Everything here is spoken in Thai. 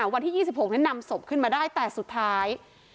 วันที่๒๖นั้นนำศพขึ้นมาได้แต่สุดท้าย